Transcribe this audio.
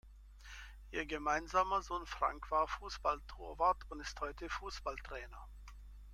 Ihr gemeinsamer Sohn Frank war Fußballtorwart und ist heute Fußballtrainer.